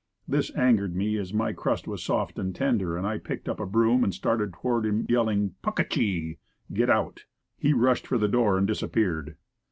This angered me as my crust was soft and tender and I picked up a broom and started toward him yelling "puck a chee" (get out) and he rushed for the door and disappeared.